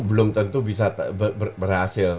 belum tentu bisa berhasil